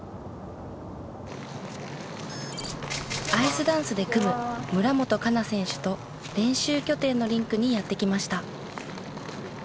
アイスダンスで組む村元哉中選手と練習拠点のリンクにやって来ました。